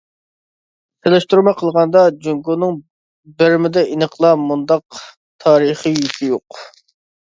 سېلىشتۇرما قىلغاندا، جۇڭگونىڭ بېرمىدا ئېنىقلا مۇنداق تارىخىي يۈكى يوق.